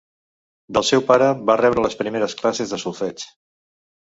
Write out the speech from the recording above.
Del seu pare va rebre les primeres classes de solfeig.